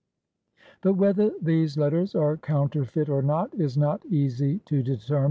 But whether these letters are counterfeit or not is not easy to determine.